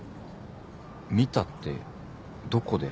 見たってどこで？